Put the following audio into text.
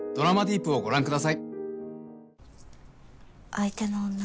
相手の女